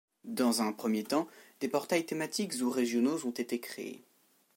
Dans un premier temps des portails thématiques ou régionaux ont été créés.